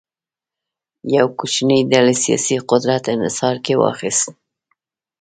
یوه کوچنۍ ډلې سیاسي قدرت انحصار کې واخیست.